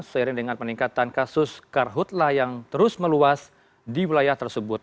seiring dengan peningkatan kasus karhutlah yang terus meluas di wilayah tersebut